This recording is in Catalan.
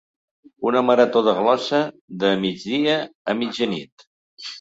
Una marató de glosa, de migdia a mitjanit.